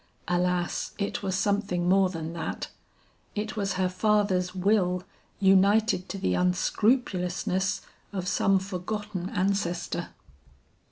Alas it was something more than that; it was her father's will united to the unscrupulousness of some forgotten ancestor.